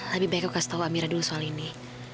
lebih baik aku kasih tahu amira dulu soal ini